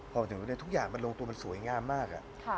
พอถึงรู้ได้ทุกอย่างมันลงตัวมันสวยงามมาก